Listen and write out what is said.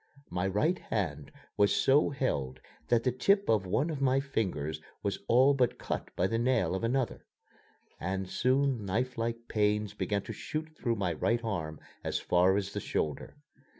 My right hand was so held that the tip of one of my fingers was all but cut by the nail of another, and soon knifelike pains began to shoot through my right arm as far as the shoulder.